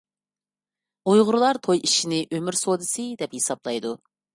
ئۇيغۇرلار توي ئىشىنى «ئۆمۈر سودىسى» دەپ ھېسابلايدۇ.